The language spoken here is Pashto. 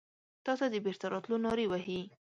تاته د بیرته راتلو نارې وهې